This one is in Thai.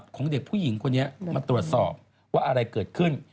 ของเด็กผู้หญิงคนนี้มาตรวจสอบว่าอะไรเกิดขึ้น